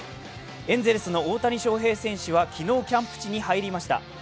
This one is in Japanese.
エンゼルスの大谷翔平選手が昨日、キャンプ地に入りました。